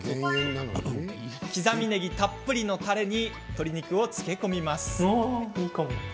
刻みねぎたっぷりのたれに鶏肉を漬け込みます。